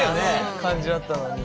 感じだったのに。